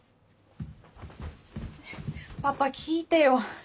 パパ聞いてよ。